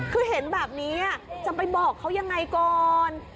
คือเห็นแบบนี้จะไปบอกเขายังไงก่อน